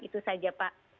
itu saja pak